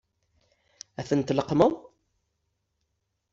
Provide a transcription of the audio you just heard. Ad tent-tleqqmeḍ?